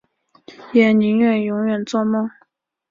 也宁愿永远作梦